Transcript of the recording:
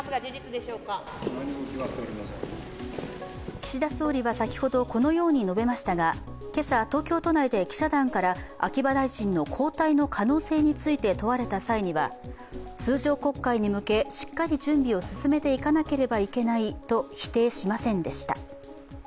岸田総理は先ほどこのように述べましたが、今朝、東京都内で記者団から秋葉大臣の交代の可能性について問われた際には、通常国会に向け、しっかり準備を進めていかなければいけないと否定しませんでした。